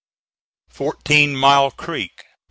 Fourteen Mile Creek.....